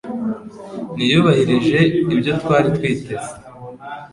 ntiyubahirije ibyo twari twiteze.